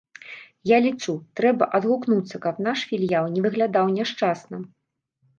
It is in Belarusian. Я лічу, трэба адгукнуцца, каб наш філіял не выглядаў няшчасна.